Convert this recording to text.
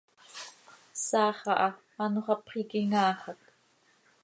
Saa xaha taa anxö hapx iiquim áa xac.